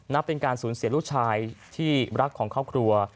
เป็นการสูญเสียลูกชายที่รักของครอบครัว